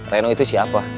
reno itu siapa